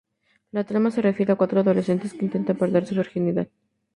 La trama se refiere a cuatro adolescentes que intentan perder su virginidad.